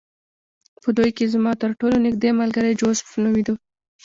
په دوی کې زما ترټولو نږدې ملګری جوزف نومېده